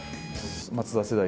松田世代。